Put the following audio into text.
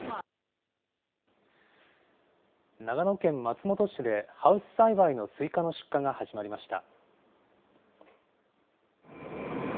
長野県松本市で、ハウス栽培のすいかの出荷が始まりました。